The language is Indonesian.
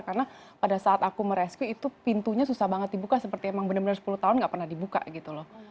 karena pada saat aku merescue itu pintunya susah banget dibuka seperti emang benar benar sepuluh tahun tidak pernah dibuka gitu loh